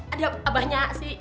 ada abahnya si